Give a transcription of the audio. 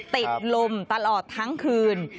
ติดลมตลอดทั้งคืน